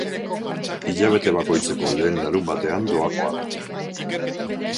Hilabete bakoitzeko lehen larunbatean doakoa da.